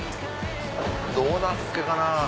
どうだっけかな？